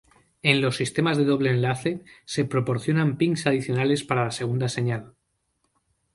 En los sistemas de doble enlace, se proporcionan pins adicionales para la segunda señal.